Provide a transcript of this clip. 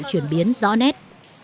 chuyển biến rõ nét